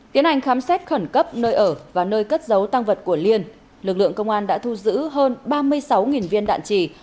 tiến hành khám xét khẩn cấp nơi ở và nơi cất giấu tăng vật của liên lực lượng công an đã thu giữ hơn ba mươi sáu viên đạn trì